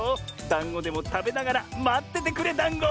だんごでもたべながらまっててくれだんご！